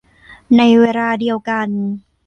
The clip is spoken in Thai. ในเวลาเดียวกัน